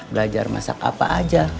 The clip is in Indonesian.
belajar masak apa aja